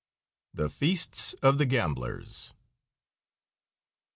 THE FEASTS OF THE GAMBLERS.